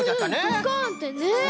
ドカンってね。